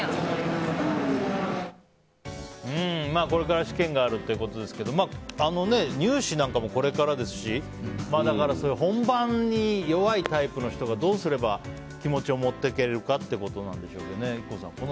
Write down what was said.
これから試験があるということですけど入試なんかもこれからですし本番に弱いタイプの人がどうすれば気持ちを持っていけるかっていうことなんでしょうけどＩＫＫＯさん